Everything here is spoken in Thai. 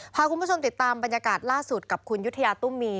พาคุณผู้ชมติดตามบรรยากาศล่าสุดกับคุณยุธยาตุ้มมี